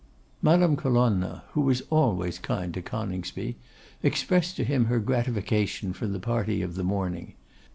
Madame Colonna, who was always kind to Coningsby, expressed to him her gratification from the party of the morning.